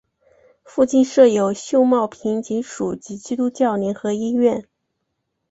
附近设有秀茂坪警署及基督教联合医院。